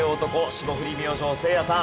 霜降り明星せいやさん。